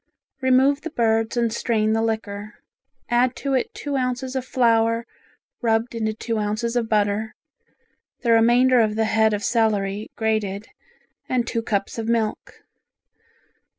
Remove the birds and strain the liquor; add to it, two ounces of flour rubbed into two ounces of butter, the remainder of the head of celery grated, and two cups of milk.